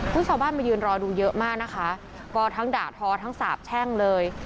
ชาวบ้านมายืนรอดูเยอะมากนะคะก็ทั้งด่าทอทั้งสาบแช่งเลย